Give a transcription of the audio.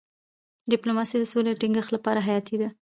ډيپلوماسي د سولې د ټینګښت لپاره حیاتي ده.